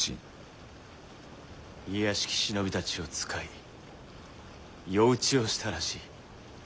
卑しき忍びたちを使い夜討ちをしたらしい。